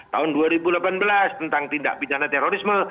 tahun dua ribu delapan belas tentang tindak pidana terorisme